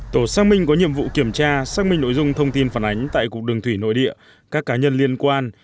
tổ xác minh có nhiệm vụ kiểm tra xác minh nội dung thông tin phản ánh tại cục đường thủy nội địa các cá nhân liên quan